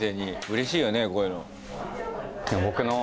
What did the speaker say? うれしいよねこういうの。